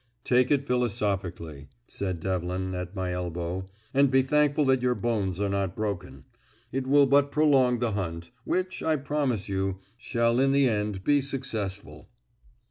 "Take it philosophically," said Devlin, at my elbow, "and be thankful that your bones are not broken. It will but prolong the hunt, which, I promise you, shall in the end be successful."